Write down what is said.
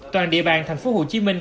toàn địa bàn thành phố hồ chí minh